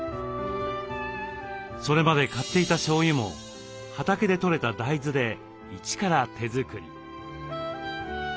それまで買っていたしょうゆも畑でとれた大豆で一から手作り。